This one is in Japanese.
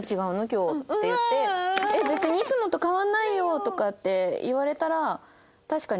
今日」って言って「別にいつもと変わらないよ」とかって言われたら。